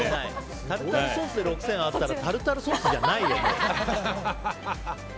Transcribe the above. タルタルソースで６０００あったらタルタルソースじゃないよ。